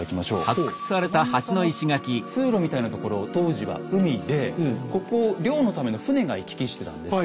真ん中の通路みたいなところ当時は海でここを漁のための船が行き来してたんです。